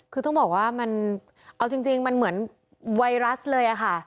คือต้องบอกว่ามันเอาจริงมันเหมือนไวรัสเลยค่ะ